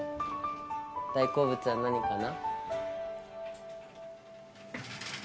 大好物は何かな？